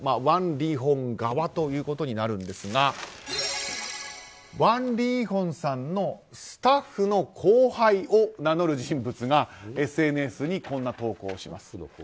ワン・リーホン側ということになるんですがワン・リーホンさんのスタッフの後輩を名乗る人物がＳＮＳにこんな投稿をします。